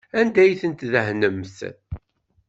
Anda ay ten-tdehnemt?